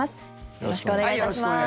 よろしくお願いします。